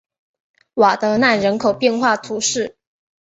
瓦德奈人口变化图示